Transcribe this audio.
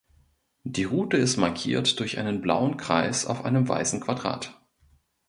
Die Route ist markiert durch einen blauen Kreis auf einem weißen Quadrat.